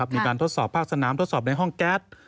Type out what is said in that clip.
มีการทดสอบภาคสนามทดสอบในห้องแก๊ส